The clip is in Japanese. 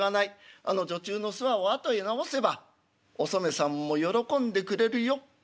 あの女中のすわを後へ直せばおそめさんも喜んでくれるよ」。